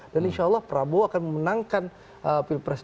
dan insya allah prabowo akan memenangkan pilpres dua ribu sembilan belas